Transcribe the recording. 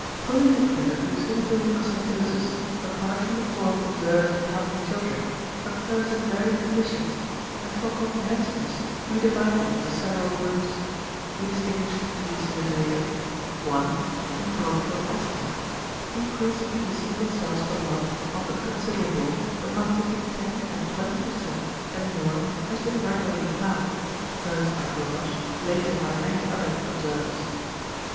Polynuclear eosinophil leucocytosis, apart from the form observed in healthy children, occurs in varied conditions, and for comprehensiveness we divide them into several groups. We distinguish eosinophilia: 1. =In bronchial asthma.= Increase of the eosinophil cells of the blood, often considerable, amounting to 10 and 20% and more has been regularly found, first by Gollasch, later by many other observers.